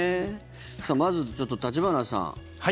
まず、ちょっと橘さん